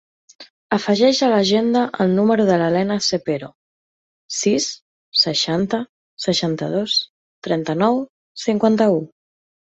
Afegeix a l'agenda el número de la Lena Cepero: sis, seixanta, seixanta-dos, trenta-nou, cinquanta-u.